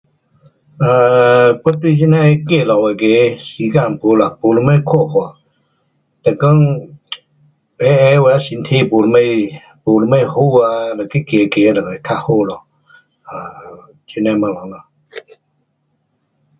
um 我对那样的走路那个时间没啦没什么看法。是讲 um 有的身体没什么，没什么好，就去走走咯较好咯。um 那样样咯。